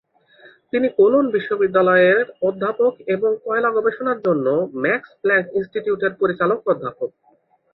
তিনি কোলন বিশ্ববিদ্যালয়ের অধ্যাপক এবং কয়লা গবেষণার জন্য মাক্স প্লাংক ইনস্টিটিউটের পরিচালক ও অধ্যাপক।